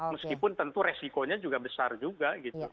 meskipun tentu resikonya juga besar juga gitu